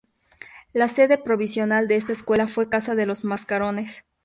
La sede provisional de esta escuela fue la Casa de los Mascarones.